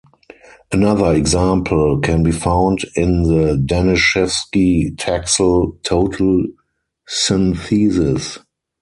Another example can be found in the Danishefsky Taxol total synthesis.